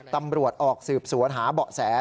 ตำรวจออกสืบสวนหาเบาะแส